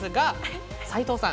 斉藤さん。